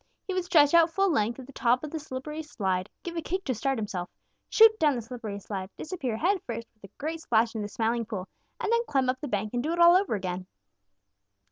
He would stretch out full length at the top of the slippery slide, give a kick to start himself, shoot down the slippery slide, disappear headfirst with a great splash into the Smiling Pool, and then climb up the bank and do it all over again.